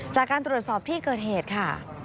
จากการตรวจสอบที่เกิดเหตุค่ะ